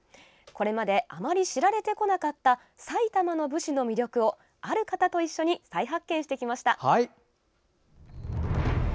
これまであまり知られてこなかった埼玉の武士の魅力を、ある方と一緒に再発見してきました！